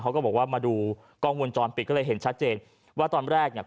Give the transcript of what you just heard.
เขาก็บอกว่ามาดูกล้องวงจรปิดก็เลยเห็นชัดเจนว่าตอนแรกเนี่ย